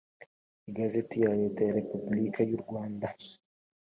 igazeti ya leta ya repubulika y u rwanda